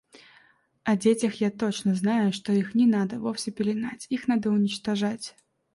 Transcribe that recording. О детях я точно знаю, что их не надо вовсе пеленать, их надо уничтожать.